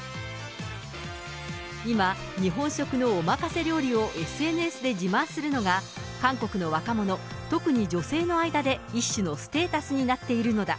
今、日本食のおまかせ料理をＳＮＳで自慢するのが、韓国の若者、特に女性の間で一種のステータスになっているのだ。